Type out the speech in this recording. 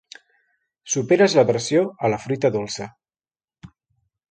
Superes l'aversió a la fruita dolça.